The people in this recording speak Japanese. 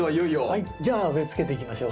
はいじゃあ植えつけていきましょう。